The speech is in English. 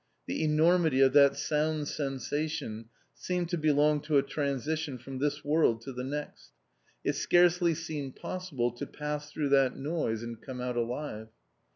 The enormity of that sound sensation seemed to belong to a transition from this world to the next. It scarcely seemed possible to pass through that noise and come out alive.